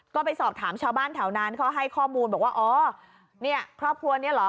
ก็ไปสอบถามชาวบ้านแถวนั้นเขาให้ข้อมูลบอกว่าอ๋อเนี่ยครอบครัวนี้เหรอ